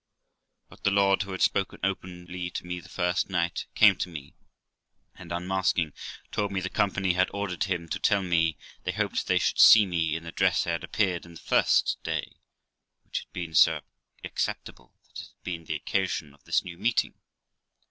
But my Lord , who had spoken openly to me the first night, came to me, and, unmasking, told me the company had ordered him to tell me they hoped they should see me in the dress I had appeared in the first day, which had been so acceptable that it had been the occasion of THE LIFE OF ROXANA 299 this new meeting.